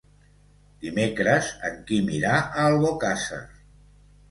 Dimecres en Quim irà a Albocàsser.